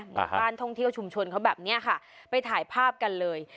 บ้านท่องเที่ยวชุมชนเขาแบบเนี้ยค่ะไปถ่ายภาพกันเลย